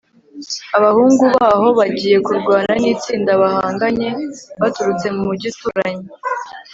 abahungu baho bagiye kurwana nitsinda bahanganye baturutse mumujyi uturanye